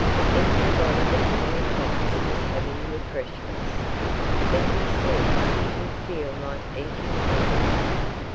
Everybody but Tommy Fox was having refreshments. But he said he didn't feel like eating anything.